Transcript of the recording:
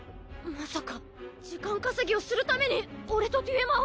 まさか時間稼ぎをするために俺とデュエマを！？